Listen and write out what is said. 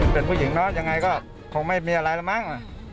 เป็นผู้หญิงยังไงก็คงไม่มีอะไรมั้ง